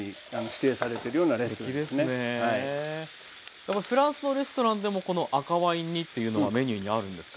やっぱりフランスのレストランでもこの赤ワイン煮っていうのはメニューにあるんですか？